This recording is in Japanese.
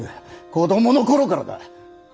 子供の頃からだ。